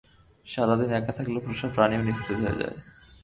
সারাদিন একা থাকলে পোষা প্রাণীও নিস্তেজ হয়ে যায়।